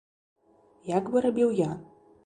Як бы рабіў я?